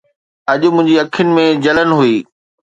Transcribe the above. اڄ منهنجي اکين ۾ جلن هئي